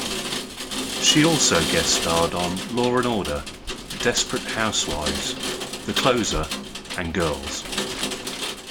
She also guest-starred on "Law and Order", "Desperate Housewives", "The Closer", and "Girls".